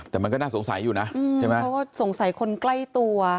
แต่มันก็น่าสงสัยอยู่นะใช่ไหมเขาก็สงสัยคนใกล้ตัว